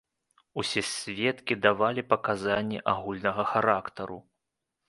Усе сведкі давалі паказанні агульнага характару.